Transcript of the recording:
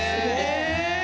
え！？